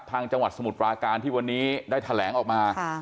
จังหวัดสมุทรปราการที่วันนี้ได้แถลงออกมา